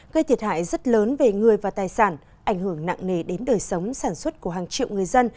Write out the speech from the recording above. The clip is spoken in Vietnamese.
gây thiệt hại rất lớn về người và tài sản ảnh hưởng nặng nề đến đời sống sản xuất của hàng triệu người dân